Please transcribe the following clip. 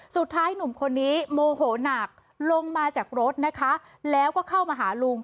สุดท้ายหนุ่มคนนี้โมโหนักลงมาจากรถนะคะแล้วก็เข้ามาหาลุง